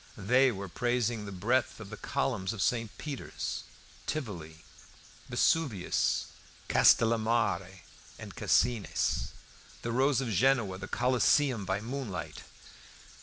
They were praising the breadth of the columns of St. Peter's, Tivoly, Vesuvius, Castellamare, and Cassines, the roses of Genoa, the Coliseum by moonlight.